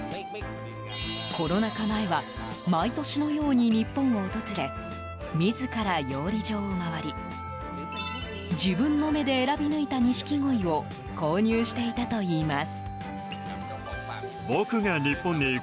コロナ禍前は毎年のように日本を訪れ自ら養鯉場を回り自分の目で選び抜いたニシキゴイを購入していたといいます。